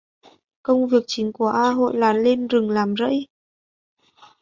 Công việc chính của A Hội là lên rừng làm rẫy